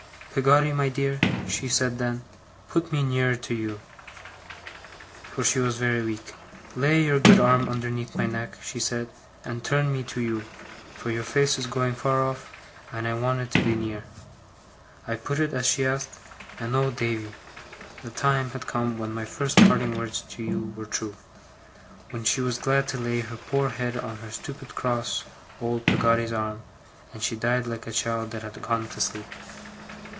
"Peggotty, my dear," she said then, "put me nearer to you," for she was very weak. "Lay your good arm underneath my neck," she said, "and turn me to you, for your face is going far off, and I want it to be near." I put it as she asked; and oh Davy! the time had come when my first parting words to you were true when she was glad to lay her poor head on her stupid cross old Peggotty's arm and she died like a child that had gone to sleep!